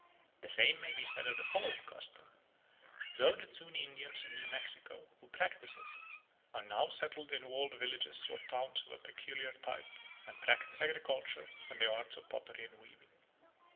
The same may be said of the following custom, though the Zuni Indians of New Mexico, who practise it, are now settled in walled villages or towns of a peculiar type, and practise agriculture and the arts of pottery and weaving.